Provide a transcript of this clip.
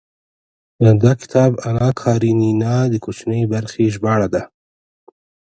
دا کتاب اناکارينينا د کوچنۍ برخې ژباړه ده.